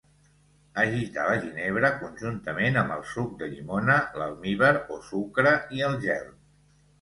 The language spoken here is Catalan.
Agitar la ginebra conjuntament amb el suc de llimona, l'almívar o sucre i el gel.